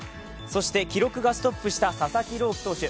そして記録がストップした佐々木朗希投手。